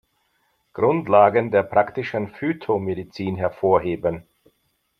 Grundlagen der praktischen Phytomedizin"“ hervorzuheben.